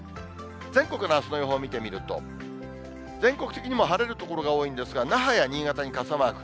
全国のあすの予報見てみると、全国的にも晴れる所が多いんですが、那覇や新潟に傘マーク。